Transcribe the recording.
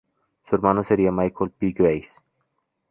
Su hermano sería Michael P. Grace.